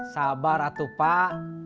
sabar atu pak